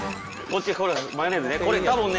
これマヨネーズね。